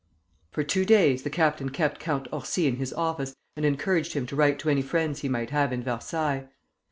'" For two days the captain kept Count Orsi in his office and encouraged him to write to any friends he might have in Versailles.